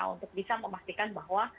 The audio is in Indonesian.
untuk bisa memastikan bahwa